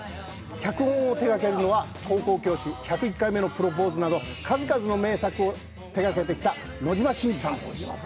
脚本を手掛けるのは、「高校教師」「１０１回目のプロポーズ」など数々の名作を手掛けてきた野島伸司さんです。